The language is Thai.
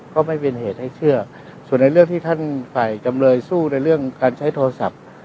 ก็ไม่เป็นเหตุให้เชื่อส่วนในเรื่องที่ท่านฝ่ายจำเลยสู้ในเรื่องการใช้โทรศัพท์